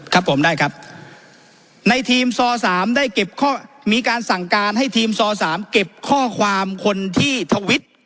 ครับผมได้ครับในทีมซอ๓๒มีการสั่งการให้ทีมซอ๓๒เก็บข้อความคนที่ทวิต